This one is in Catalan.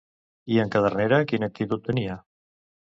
I en Cadernera, quina actitud tenia?